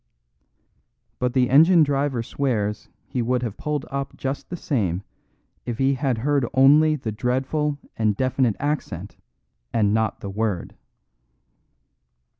But the engine driver swears he would have pulled up just the same if he had heard only the dreadful and definite accent and not the word.